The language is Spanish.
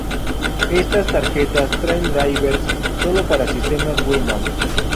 Estas tarjetas traen drivers solo para sistemas windows.